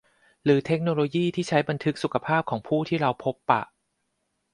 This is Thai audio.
หรือเทคโนโลยีที่ใช้บันทึกสุขภาพของผู้ที่เราพบปะ